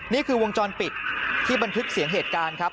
นี่คือวงจรปิดที่บันทึกเสียงเหตุการณ์ครับ